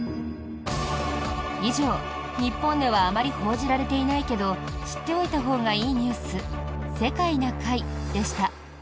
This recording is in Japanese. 以上、日本ではあまり報じられていないけど知っておいたほうがいいニュース「世界な会」でした。